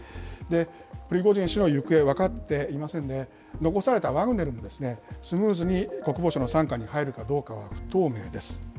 プリゴジン氏の行方は分かっていませんので、残されたワグネルも、スムーズに国防省の傘下に入るかどうかは不透明です。